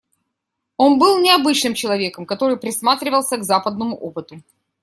Он был необычным человеком, который присматривался к западному опыту.